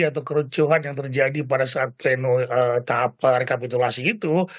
atau kerucuhan yang terjadi pada saat pleno tahap rekapitulasi itu